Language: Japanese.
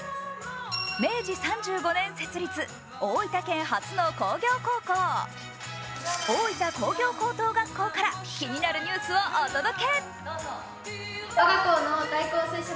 明治３５年設立、大分県発の工業高校大分工業高等学校から気になるニュースをお届け。